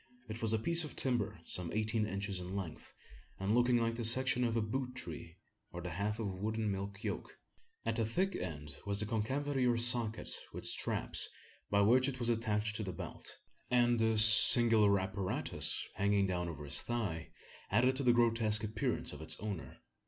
It was a piece of timber some eighteen inches in length, and looking like the section of a boot tree, or the half of a wooden milk yoke. At the thick end was a concavity or socket, with straps, by which it was attached to the belt; and this singular apparatus, hanging down over his thigh, added to the grotesque appearance of its owner.